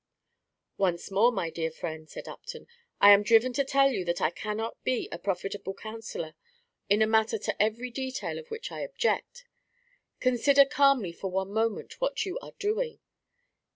"Once more, my dear friend," said Upton, "I am driven to tell you that I cannot be a profitable counsellor in a matter to every detail of which I object. Consider calmly for one moment what you are doing.